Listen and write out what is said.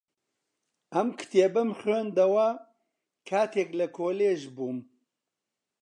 ئەم کتێبەم خوێندەوە کاتێک لە کۆلێژ بووم.